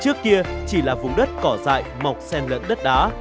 trước kia chỉ là vùng đất cỏ dại mọc sen lẫn đất đá